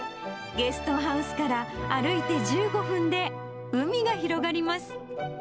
ゲストハウスから歩いて１５分で海が広がります。